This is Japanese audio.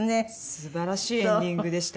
素晴らしいエンディングでした。